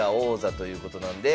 「軍曹」ということで。